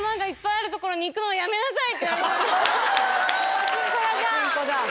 パチンコ屋じゃん。